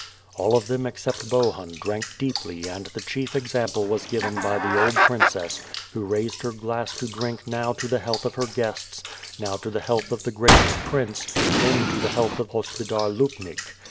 WITH FIRE AND SWORD. 6l All of them except Bohun drank deeply and the chief ex ample was given by the old princess who raised her glass to drink now to the health of her guests, now to the health of the gracious prince, then to the health of Hospodar Lupnic.